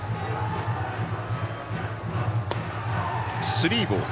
スリーボール。